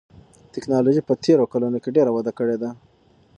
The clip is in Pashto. تکنالوژي په تېرو کلونو کې ډېره وده کړې ده.